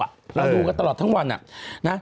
เราดูกันตลอดทั้งวันนะ